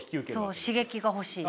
そう刺激が欲しい。